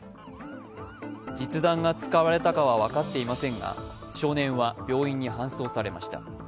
実弾が使われたかは分かっていませんが少年は病院に搬送されました。